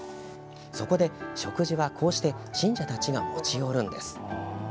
そこで、食事はこうして信者たちが持ち寄るんです。